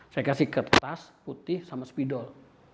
saya kasih kertas putih sama spidol